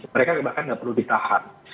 mereka bahkan tidak perlu ditahan